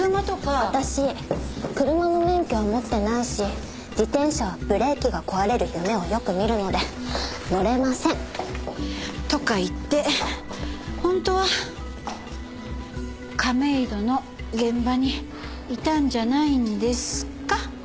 私車の免許は持ってないし自転車はブレーキが壊れる夢をよく見るので乗れません。とか言って本当は亀戸の現場にいたんじゃないんですか？